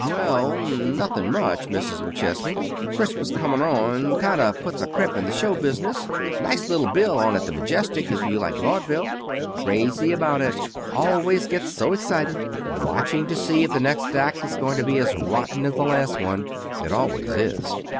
"Well, nothing much, Mrs. McChesney. Christmas coming on kind of puts a crimp in the show business. Nice little bill on at the Majestic, if you like vaudeville." "Crazy about it. Always get so excited watching to see if the next act is going to be as rotten as the last one. It always is."